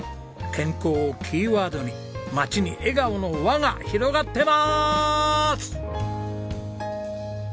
健康をキーワードに町に笑顔の輪が広がってます！